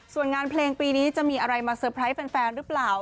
ส่วนงานเพลงปีนี้จะมีอะไรมาเตอร์ไพรส์แฟนหรือเปล่า